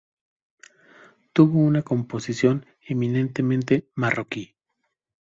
Tuvo una composición eminentemente marroquí.